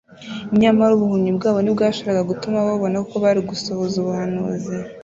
Nyamara ubuhumyi bwabo ntibwashoboraga gutuma babona ko bari gusohoza ubuhanuzi.